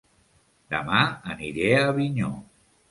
Dema aniré a Avinyó